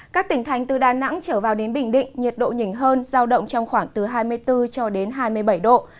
các tỉnh thành từ đà nẵng trở vào đến bình định nhiệt độ nhìn hơn giao động trong khoảng từ hai mươi bốn cho đến hai mươi bảy độ